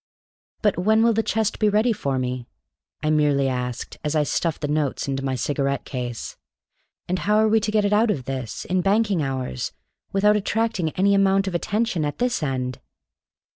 "But when will the chest be ready for me," I merely asked, as I stuffed the notes into my cigarette case. "And how are we to get it out of this, in banking hours, without attracting any amount of attention at this end?"